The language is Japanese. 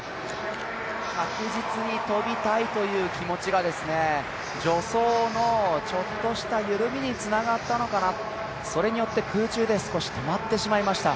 確実に跳びたいという気持ちが助走のちょっとした緩みにつながったのかな、それによって空中で少し止まってしまいました。